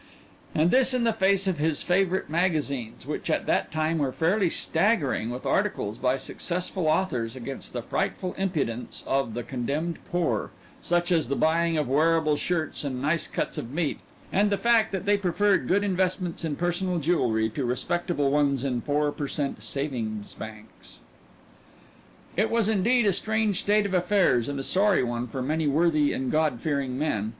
And this in the face of his favorite magazines, which at that time were fairly staggering with articles by successful authors against the frightful impudence of the condemned poor, such as the buying of wearable shirts and nice cuts of meat, and the fact that they preferred good investments in personal jewelry to respectable ones in four per cent saving banks. It was indeed a strange state of affairs and a sorry one for many worthy and God fearing men.